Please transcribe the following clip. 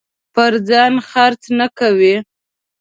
پر ځان خرڅ نه کوي.